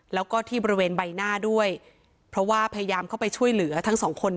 แล้วก็ที่บริเวณใบหน้าด้วยเพราะว่าพยายามเข้าไปช่วยเหลือทั้งสองคน